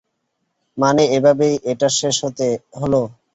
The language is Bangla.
মানে, এভাবেই এটার শেষ হতে হলো?